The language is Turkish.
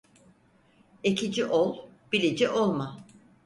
Ekici ol, bilici olma.